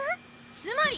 つまり！